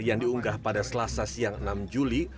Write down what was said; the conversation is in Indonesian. yang diunggah pada selasa siang enam juli